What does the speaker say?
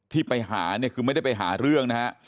ที่ไปหาเนี่ยคือไม่ได้ไปหาเรื่องนะฮะ